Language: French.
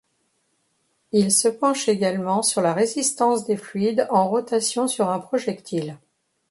Il se penche également sur la résistance des fluides en rotation sur un projectile.